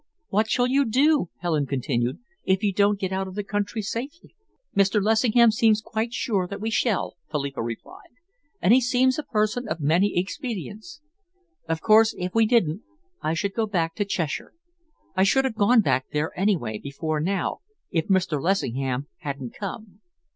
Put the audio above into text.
"What shall you do," Helen continued, "if you don't get out of the country safely?" "Mr. Lessingham seems quite sure that we shall," Philippa replied, "and he seems a person of many expedients. Of course, if we didn't, I should go back to Cheshire. I should have gone back there, anyway, before now, if Mr. Lessingham hadn't come."